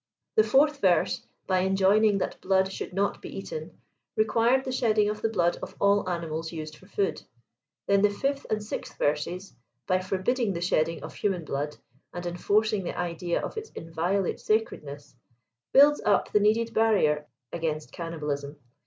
The fourth verse, by enjoining that blood should not be eaten, required the sheddipg of the blood of all animals used for food; then the fifth and sixth verses, by forbidding the shedding of human blood, and enforcing the idea of its inviolate sacredness, build up the needed barrier against cannibalism.